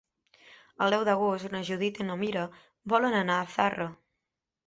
El deu d'agost na Judit i na Mira volen anar a Zarra.